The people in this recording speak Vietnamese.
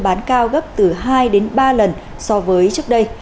bán cao gấp từ hai đến ba lần so với trước đây